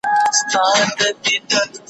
چي پر سمه لاره ځم راته قهرېږي